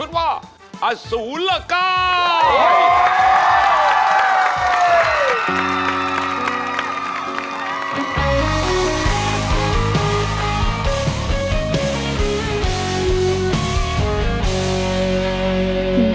สวัสดีครับ